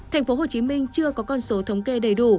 thành phố hồ chí minh chưa có con số thống kê đầy đủ